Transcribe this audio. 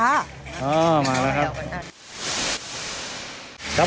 มาแล้วครับ